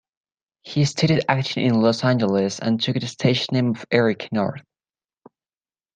He studied acting in Los Angeles and took the stage name of Eric Nord.